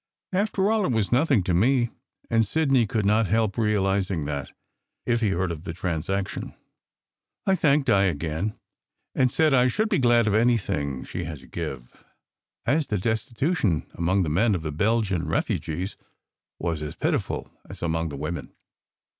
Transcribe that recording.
After all, it was nothing to me, and Sidney could not help realiz ing that, if he heard of the transaction. I thanked Di again, and said I should be glad of anything she had to give, as the destitution among the men of the Belgian refugees was as pitiful as among the women.